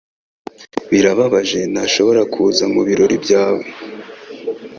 Birababaje ntashobora kuza mubirori byawe.